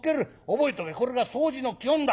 覚えとけこれが掃除の基本だ。